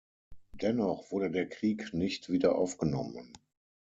Dennoch wurde der Krieg nicht wiederaufgenommen.